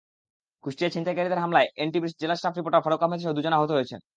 কুষ্টিয়ায় ছিনতাইকারীদের হামলায় এনটিভির জেলা staff reporter Faruk আহমেদসহ দুজন আহত হয়েছেন।